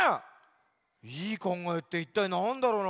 いいかんがえっていったいなんだろうな。